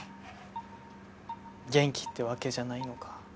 元気ってわけじゃないのか。